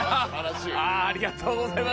ありがとうございます。